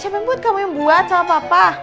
siapa yang buat kamu yang buat sama papa